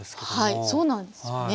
はいそうなんですよね。